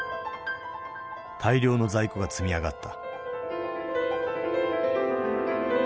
大量の在庫が積み上がった。